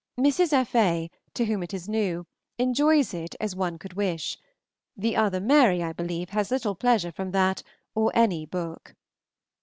Mrs. F. A., to whom it is new, enjoys it as one could wish; the other Mary, I believe, has little pleasure from that or any other book.